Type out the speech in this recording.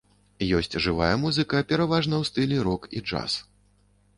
Есць жывая музыка, пераважна ў стылі рок і джаз.